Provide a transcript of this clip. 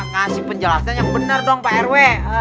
kasih penjelasan yang benar dong pak rw